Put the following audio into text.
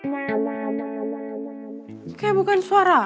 kayaknya bukan suara